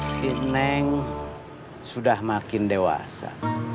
si neng sudah makin dewasa